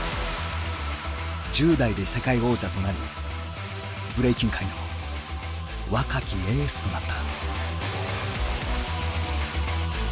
１０代で世界王者となりブレイキン界の若きエースとなった。